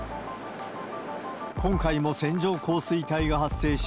今回も線状降水帯が発生し、